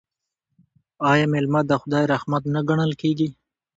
آیا میلمه د خدای رحمت نه ګڼل کیږي؟